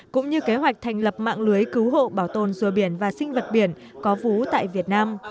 cũng như kế hoạch thành lập mạng lưới cứu hộ bảo tồn dùa biển và sinh vật biển có vú tại việt nam